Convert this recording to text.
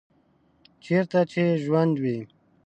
چیرته چې ژوند وي